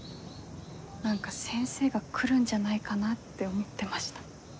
何か先生が来るんじゃないかなって思ってました。